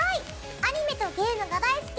アニメとゲームが大好き！